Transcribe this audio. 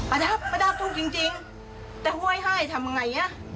อาทิตย์ประดับทุกข์จริงแต่ห่วยไห้ทำยังไง